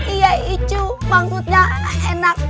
iya iya bangunnya enak enak